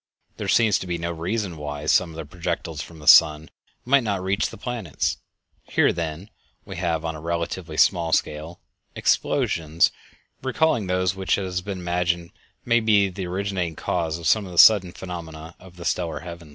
There seems to be no reason why some of the projectiles from the sun might not reach the planets. Here, then, we have on a relatively small scale, explosions recalling those which it has been imagined may be the originating cause of some of the sudden phenomena of the stellar heavens.